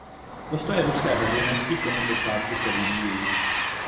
Postoje ruské veřejnosti k tomuto svátku se vyvíjejí.